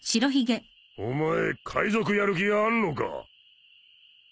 お前海賊やる気あんのか？